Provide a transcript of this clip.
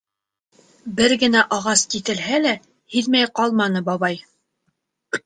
Бер генә ағас киҫелһә лә, һиҙмәй ҡалманы бабай.